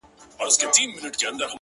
د ښویېدلي سړي لوري د هُدا لوري”